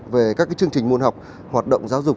về các chương trình môn học hoạt động giáo dục